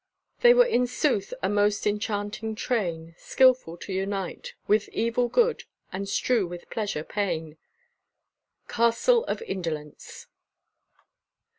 "They were in sooth a most enchanting train; .. skilful to unite With evil good, and strew with pleasure pain." _Castle of Indolence.